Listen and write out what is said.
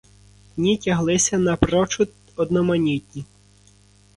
Дні тяглися напрочуд одноманітні.